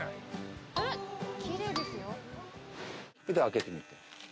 開けてみて。